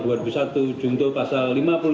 jungto pasal lima puluh lima